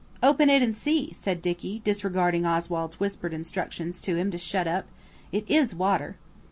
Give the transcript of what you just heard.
"Open it and see," said Dicky, disregarding Oswald's whispered instructions to him to shut up. "It is water."